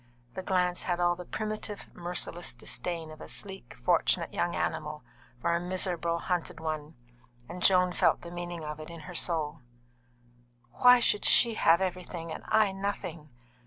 The glance had all the primitive, merciless disdain of a sleek, fortunate young animal for a miserable, hunted one, and Joan felt the meaning of it in her soul. "Why should she have everything and I nothing?"